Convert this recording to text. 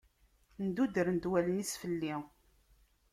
Ndudrent wallen-is fell-i.